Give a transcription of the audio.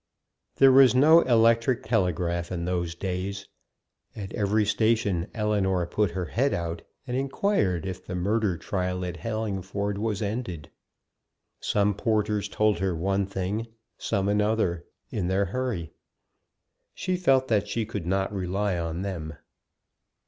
There was no electric telegraph in those days; at every station Ellinor put her head out, and enquired if the murder trial at Hellingford was ended. Some porters told her one thing, some another, in their hurry; she felt that she could not rely on them.